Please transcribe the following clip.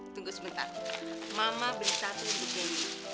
tunggu sebentar mama beli satu untuk candy